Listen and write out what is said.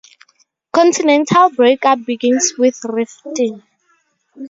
Continental breakup begins with rifting.